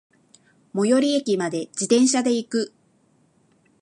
最寄駅まで、自転車で行く。